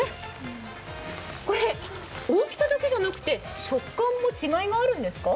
これ大きさだけじゃなくて食感も違いがあるんですか。